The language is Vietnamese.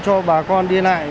cho bà con đi lại